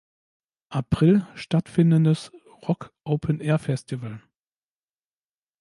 April- stattfindendes Rock-Open Air Festival.